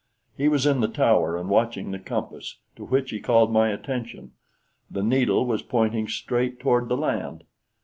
He was in the tower and watching the compass, to which he called my attention. The needle was pointing straight toward the land.